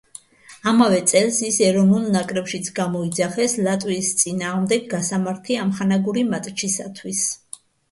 ამავე წელს ის ეროვნულ ნაკრებშიც გამოიძახეს ლატვიის წინააღმდეგ გასამართი ამხანაგური მატჩისათვის.